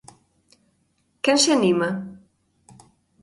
Quen se anima?